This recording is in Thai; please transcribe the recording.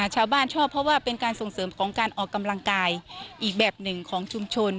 ชอบเพราะว่าเป็นการส่งเสริมของการออกกำลังกายอีกแบบหนึ่งของชุมชน